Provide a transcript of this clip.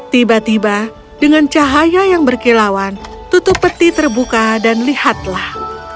tiba tiba dengan cahaya yang berkilauan tutup peti terbuka dan lihatlah